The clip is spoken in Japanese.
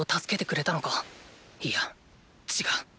いや違う。